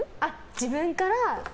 自分から。